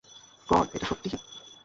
গাড, এটা সত্যি!